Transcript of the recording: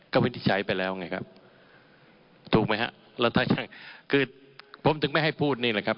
ก็วินิจฉัยไปแล้วไงครับถูกมั้ยฮะคือผมถึงไม่ให้พูดนี่แหละครับ